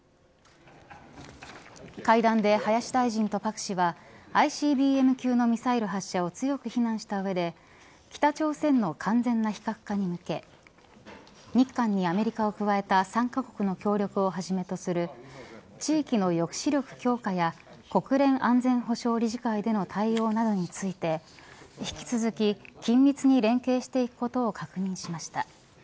会談で林大臣と朴氏はＩＣＢＭ級のミサイル発射を強く非難した上で北朝鮮の完全な非核化に向け日韓にアメリカを加えた３カ国の協力をはじめとする地域の抑止力強化や国連安全保障理事会での対応などについて引き続き緊密に連携していくことを確認しました。